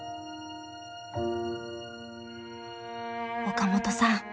岡本さん